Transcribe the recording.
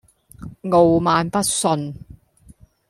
傲慢不遜